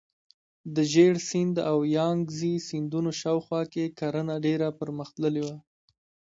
د ژیړ سیند او یانګزي سیندونو شاوخوا کې کرنه ډیره پرمختللې وه.